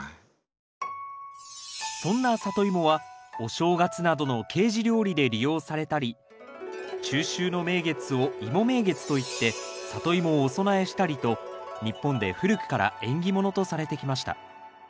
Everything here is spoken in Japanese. そんなサトイモはお正月などの慶事料理で利用されたり中秋の名月を芋名月といってサトイモをお供えしたりと日本で古くから縁起物とされてきました。